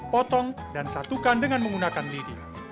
potong dan satukan dengan menggunakan lidi